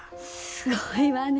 すごいわね